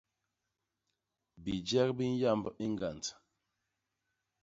Bijek bi nyamb i ñgand.